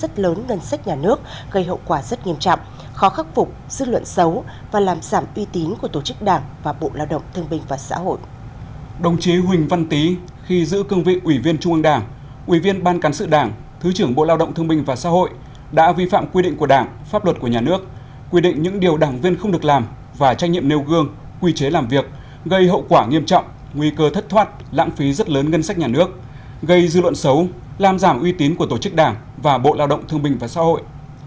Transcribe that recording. của nhà nước gây hậu quả rất nghiêm trọng khó khắc phục dư luận xấu và làm giảm uy tín của tổ chức đảng và bộ lao động thương minh và xã hội